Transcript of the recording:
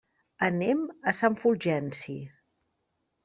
Anem a Sant Fulgenci.